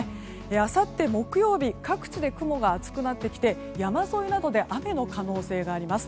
あさって木曜日各地で雲が厚くなってきて山沿いなどで雨の可能性があります。